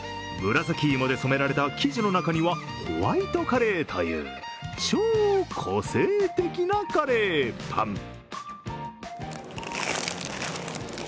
紫芋で染められた生地の中にはホワイトカレーという超個性的なカレーパン。